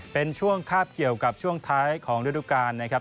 เป็นช่วงคาบเกี่ยวกับช่วงท้ายของฤดูกาลนะครับ